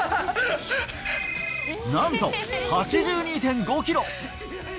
なんと８２．５キロ。